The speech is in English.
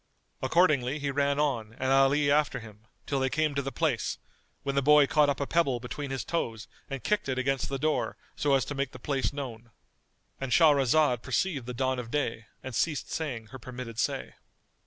Accordingly he ran on and Ali after him, till they came to the place, when the boy caught up a pebble between his toes and kicked it against the door so as to make the place known.——And Shahrazad perceived the dawn of day and ceased saying her permitted say.